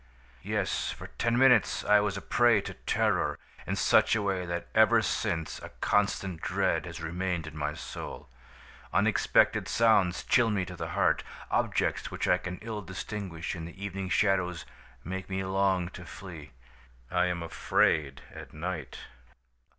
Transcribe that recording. "Yes, for ten minutes I was a prey to terror, in such a way that ever since a constant dread has remained in my soul. Unexpected sounds chill me to the heart; objects which I can ill distinguish in the evening shadows make me long to flee. I am afraid at night.